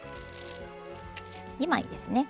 ２枚ですね。